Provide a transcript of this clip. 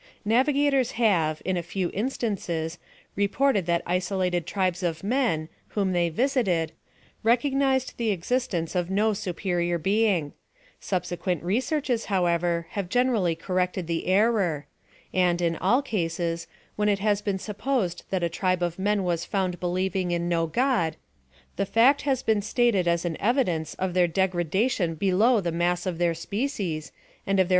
Navigators have, in a few instances, reported that isolated tribes of men, whom they visited, recognized the existence of no superior being : subsequent re searches, however, have generally corrected the erroi — and, in all cases, when it has been supposed that a tribe of men was found believing in no god, the fact has been staled as an evidence of their degrada tion below the mass o( their sjiecies, ard of their PLAN OF SALVATION.